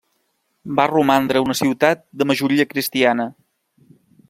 Va romandre una ciutat de majoria cristiana.